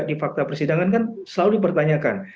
di fakta persidangan kan selalu dipertanyakan